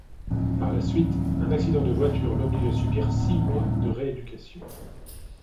Par la suite, un accident de voiture l'oblige à subir six mois de rééducation.